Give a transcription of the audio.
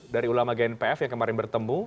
dari ulama gnpf yang kemarin bertemu